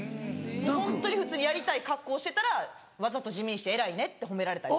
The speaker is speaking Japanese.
ホントに普通にやりたい格好をしてたら「わざと地味にして偉いね」って褒められたり。